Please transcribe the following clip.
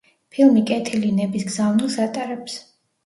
ფილმი კეთილი ნების გზავნილს ატარებს.